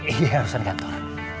iya urusan kantor